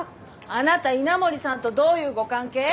あなた稲森さんとどういうご関係？